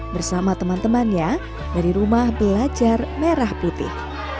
bersama teman temannya dari rumah belajar merah putih